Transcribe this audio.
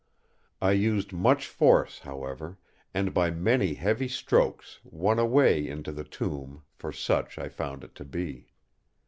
I used much force, however; and by many heavy strokes won a way into the tomb, for such I found it to be.